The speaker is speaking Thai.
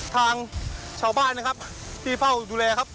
ทางชาวบ้านนะครับที่เฝ้าดูแลครับ